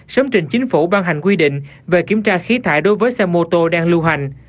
sớm trình chính phủ ban hành quy định về kiểm tra khí thải đối với xe mô tô đang lưu hành